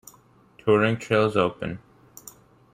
Touring trails open.